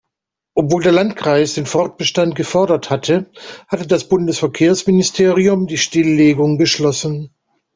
Obwohl der Landkreis den Fortbestand gefordert hatte, hatte das Bundesverkehrsministerium die Stilllegung beschlossen.